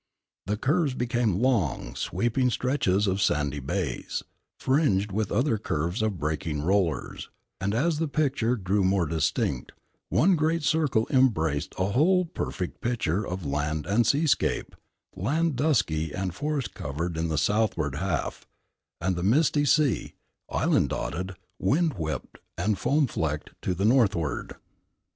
The curves became long, sweeping stretches of sandy bays, fringed with other curves of breaking rollers; and as the picture grew more distinct, one great circle embraced a whole perfect picture of land and seascape land dusky and forest covered in the southward half; and the misty sea, island dotted, wind whipped, and foam flecked, to the northward.